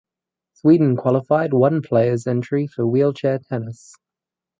Sweden qualified one players entries for wheelchair tennis.